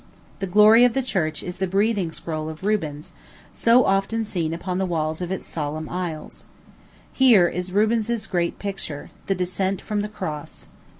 The glory of the church is the "breathing scroll" of Rubens, so often seen upon the walls of its solemn aisles. Here is Rubens's great picture, the Descent from the Cross.